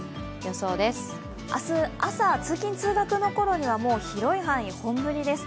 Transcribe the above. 明日朝、通勤・通学のころには広い範囲、本降りです。